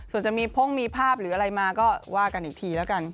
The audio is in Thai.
ส่วนจะมีพ่งมีภาพหรืออะไรมาก็ว่ากันอีกทีแล้วกัน